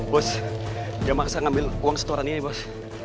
bos jangan maksa ngambil uang setoran ini ya bos